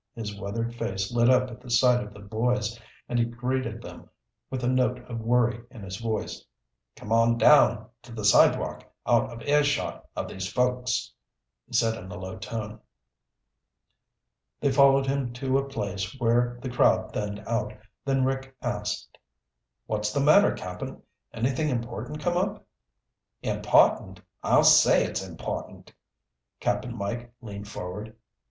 His weathered face lit up at the sight of the boys and he greeted them with a note of worry in his voice. "Come on down to the sidewalk out of earshot of these folks," he said in a low tone. They followed him to a place where the crowd thinned out, then Rick asked, "What's the matter, Cap'n? Anything important come up?" "Important? I'll say it's important!" Cap'n Mike leaned forward.